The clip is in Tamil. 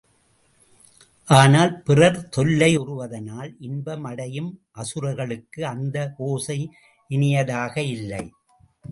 ஆனால் பிறர் தொல்லையுறுவதனால் இன்பம் அடையும் அசுரர்களுக்கு அந்த ஓசை இனியதாக இல்லை.